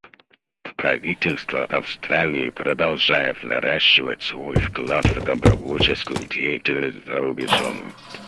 Правительство Австралии продолжает наращивать свой вклад в добровольческую деятельность за рубежом.